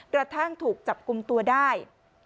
กระทั่งถูกจับกลุ่มตัวได้